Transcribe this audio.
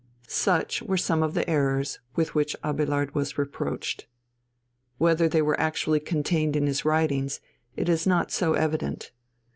Such were some of the errors with which Abélard was reproached. Whether they were actually contained in his writings, it is not so evident.